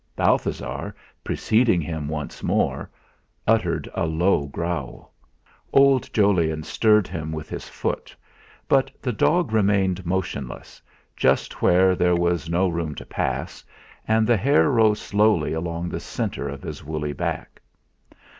Balthasar, preceding him once more, uttered a low growl. Old Jolyon stirred him with his foot, but the dog remained motionless, just where there was no room to pass, and the hair rose slowly along the centre of his woolly back.